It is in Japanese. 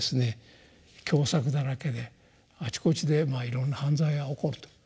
凶作だらけであちこちでまあいろんな犯罪が起こると。